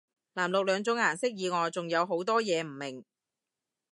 藍綠兩種顏色以外仲有好多嘢唔明